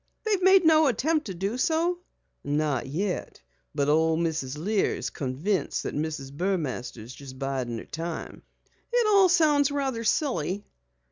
"They've made no attempt to do so?" "Not yet. But old Mrs. Lear is convinced Mrs. Burmaster is biding her time." "It all sounds rather silly."